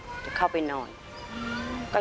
ทำไมเราต้องเป็นแบบเสียเงินอะไรขนาดนี้เวรกรรมอะไรนักหนา